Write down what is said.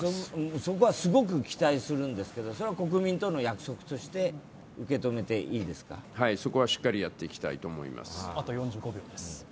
そこはすごく期待するんですけどそれは国民との約束としてはい、そこは、しっかりやっていきたいと思います。